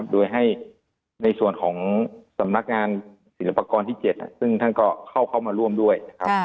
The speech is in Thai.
โดยให้ในส่วนของสำนักงานศิลปากรที่๗ซึ่งท่านก็เข้ามาร่วมด้วยนะครับ